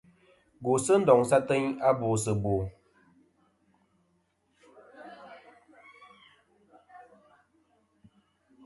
Gwosɨ ndoŋsɨ ateyn a bòsɨ bò.